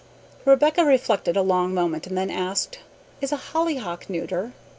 Rebecca reflected a long moment and then asked, "Is a hollyhock neuter?"